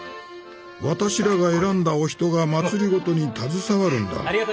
私らが選んだお人が政に携わるんだ。